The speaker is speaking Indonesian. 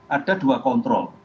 ada dua kontrol